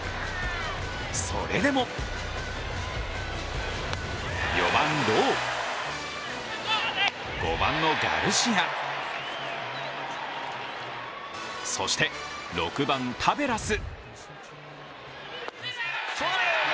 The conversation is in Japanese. それでも４番・ロウ、５番のガルシア、そして６番・タベラス。